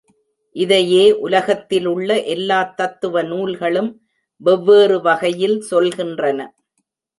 இதையே உலகத்திலுள்ள எல்லாத் தத்துவ நூல்களும் வெவ்வேறு வகையில் சொல்கின்றன.